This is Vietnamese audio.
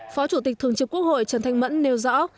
phó chủ tịch thường trực quốc hội trần thanh mẫn nêu rõ